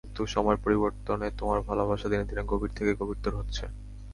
কিন্তু সময়ের পরিবর্তনে তোমার ভালোবাসা দিনে দিনে গভীর থেকে গভীরতর হচ্ছে।